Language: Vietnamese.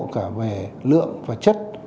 cả về lượng và chất